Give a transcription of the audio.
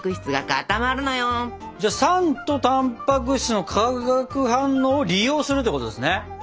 酸とたんぱく質の化学反応を利用するってことですね。